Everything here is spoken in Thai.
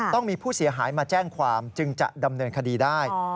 ต้องมีผู้เสียหายมาแจ้งความจึงจะดำเนินคดีได้